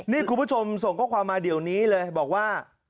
นี่คุณผู้ชมส่งข้อความมาเดี๋ยวนี้เลยบอกว่า